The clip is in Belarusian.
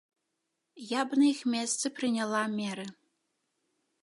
Я б на іх месцы прыняла меры.